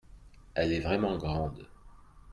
Elle est vraiment grande.